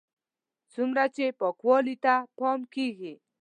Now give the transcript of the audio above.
څومره چې پاکوالي ته پام کېږي.